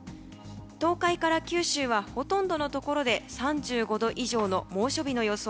東海から九州はほとんどのところで３５度以上の猛暑日の予想。